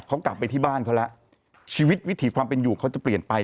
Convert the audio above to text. เขากลับไปที่บ้านเขาแล้วชีวิตวิถีความเป็นอยู่เขาจะเปลี่ยนไป